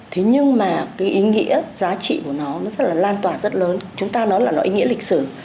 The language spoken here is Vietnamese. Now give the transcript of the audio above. thế nhưng mà cái ý nghĩa giá trị của nó nó rất là lan toàn rất lớn chúng ta nói là nó ý nghĩa lịch sử